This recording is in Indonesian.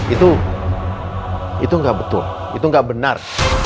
itu gak betul itu gak benar